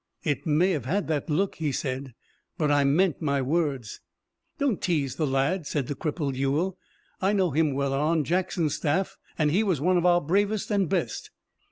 "It may have had that look," he said, "but I meant my words." "Don't tease the lad," said the crippled Ewell. "I knew him well on Jackson's staff, and he was one of our bravest and best."